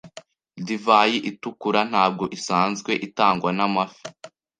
Divayi itukura ntabwo isanzwe itangwa n amafi.